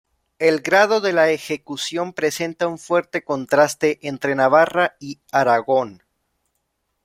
El grado de la ejecución presenta un fuerte contraste entre Navarra y Aragón.